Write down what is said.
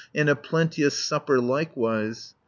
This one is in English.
And a plenteous supper likewise."